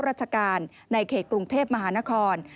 ราชการในเขตกรุงเทพมหานคร